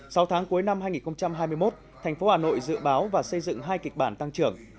sau tháng cuối năm hai nghìn hai mươi một thành phố hà nội dự báo và xây dựng hai kịch bản tăng trưởng